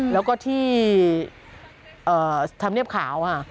แล้วก็ที่ทำเนียบข่าวค่ะ